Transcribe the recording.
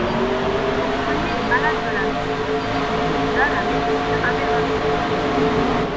Pour soigner les malades de la mission, on utilisa la médecine amérindienne.